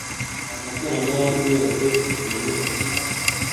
ni amatora nk’ayandi yose tumenyereye